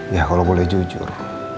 ya kalau boleh jujur